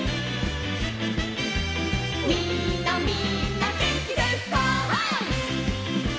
「みんなみんなげんきですか？」